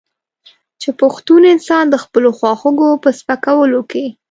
چې پښتون انسان د خپلو خواخوږو په سپکولو کې.